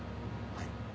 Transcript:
はい。